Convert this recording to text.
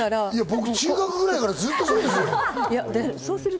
僕、中学くらいからずっとそうですよ。